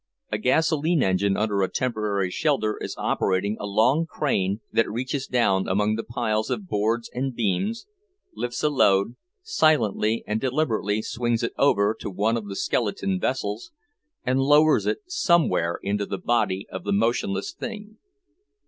A gasoline engine under a temporary shelter is operating a long crane that reaches down among the piles of boards and beams, lifts a load, silently and deliberately swings it over to one of the skeleton vessels, and lowers it somewhere into the body of the motionless thing.